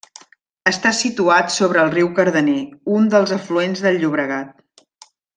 Està situat sobre el riu Cardener, un dels afluents del Llobregat.